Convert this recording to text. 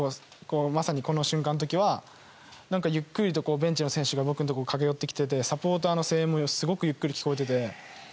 まさにこの瞬間の時はゆっくりとベンチの選手が僕のところに駆け寄ってきていてサポーターの声援もすごくゆっくりと聞こえていて。